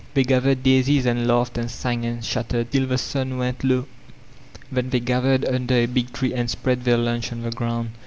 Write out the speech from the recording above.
They gathered daisies and laughed and sang and chat tered till the sun went low. Then they gathered under a big tree and spread their lunch on the ground.